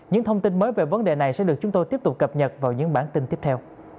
những thông tin mới về vấn đề này sẽ được chúng tôi tiếp tục cập nhật vào những bản tin tiếp theo